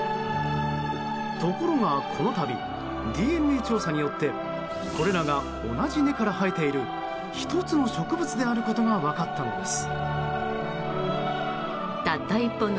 ところがこの度、ＤＮＡ調査によってこれらが同じ根から生えている１つの植物であることが分かったのです。